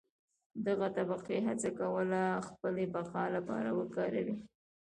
دغه طبقې هڅه کوله خپلې بقا لپاره وکاروي.